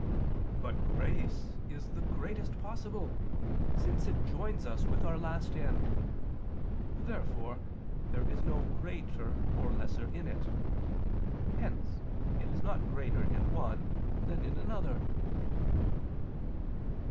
But grace is the greatest possible, since it joins us with our last end. Therefore there is no greater or less in it. Hence it is not greater in one than in another.